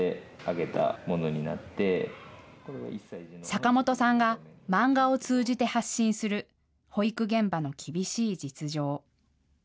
坂本さんが漫画を通じて発信する保育現場の厳しい実情。